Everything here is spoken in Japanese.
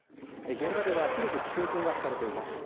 現場では広く規制線が敷かれています。